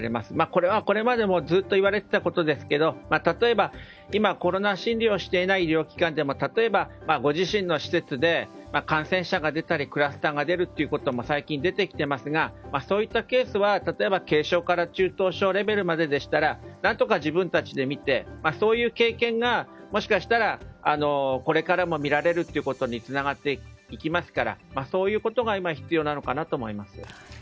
これはこれまでもずっと言われていたことですが例えば、今コロナ診療をしていない医療機関でも例えば、ご自身の施設で感染者が出たりクラスターが出ることも最近、出てきていますがそういったケースは軽症から中等症までだったらなんとか自分たちで診てそういう経験がもしかしたらこれからも診られることにつながっていきますからそういうことが今必要なのかなと思います。